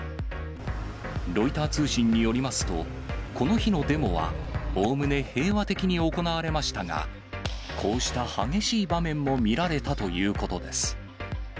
ロイター通信によりますと、この日のデモはおおむね平和的に行われましたが、こうした激しい場面も見られたということです。